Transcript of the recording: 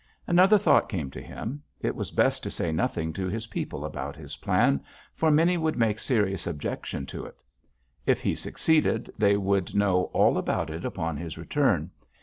"Another thought came to him: It was best to say nothing to his people about his plan, for many would make serious objection to it. If he succeeded, they should know all about it upon his return.